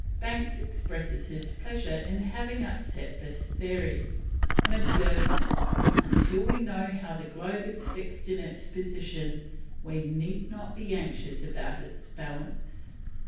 Banks expresses his pleasure in having upset this theory, and observes: "Until we know how the globe is fixed in its position, we need not be anxious about its balance."